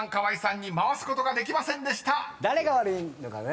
誰が悪いのかね？